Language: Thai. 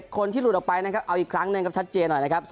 คนที่หลุดออกไปนะครับเอาอีกครั้งหนึ่งครับชัดเจนหน่อยนะครับ